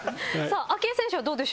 明愛選手はどうでしょう？